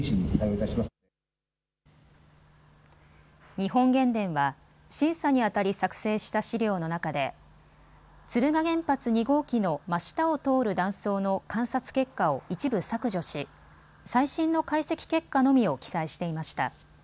日本原電は審査にあたり作成した資料の中で敦賀原発２号機の真下を通る断層の観察結果を一部削除し最新の解析結果のみを記載していました。